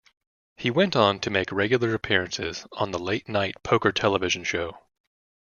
He went on to make regular appearances on the Late Night Poker television show.